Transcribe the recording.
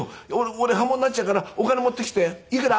俺破門になっちゃうからお金持ってきて」「いくら？」